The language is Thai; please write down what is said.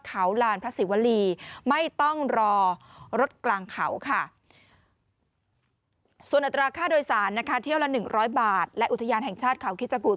ค่าเที่ยวละ๑๐๐บาทและอุทยานแห่งชาติเขาคิจกรูด